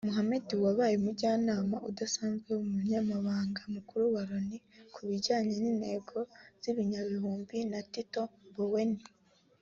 Mohammed wabaye Umujyanama udasanzwe w’Umunyamabanga Mukuru wa Loni ku bijyanye n’intego z’ikinyagihumbi na Tito Mboweni